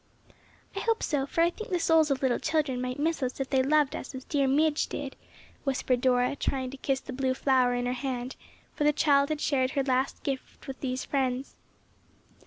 "I hope so, for I think the souls of little children might miss us if they loved us as dear Midge did," whispered Dora, trying to kiss the blue flower in her hand, for the child had shared her last gift with these friends.